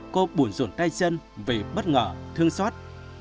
cô buồn ruột tay chân vì bất ngờ thương xót